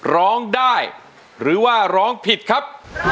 ร้องได้หรือว่าร้องผิดครับ